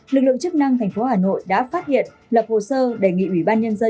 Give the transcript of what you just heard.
lực lượng chức năng tp hcm đã phát hiện lập hồ sơ đề nghị ubnd